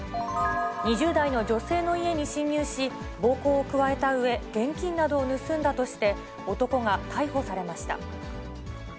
２０代の女性の家に侵入し、暴行を加えたうえ、現金などを盗んだとして、男が逮捕されました。